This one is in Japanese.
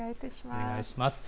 お願いします。